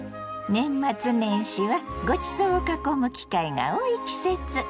年末年始はごちそうを囲む機会が多い季節。